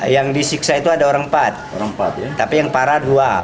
yang disiksa itu ada orang empat orang empat tapi yang parah dua